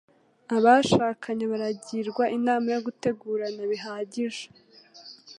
Abashakanye baragirwa inama yo gutegurana bihagije